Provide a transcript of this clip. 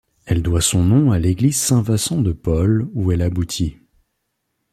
Elle doit son nom à l'église Saint-Vincent de Paul ou elle aboutit.